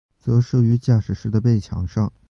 则设于驾驶室的背墙上。